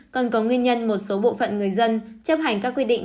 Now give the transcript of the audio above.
còn có nguyên nhân một số bộ phận người dân chấp hành các quy định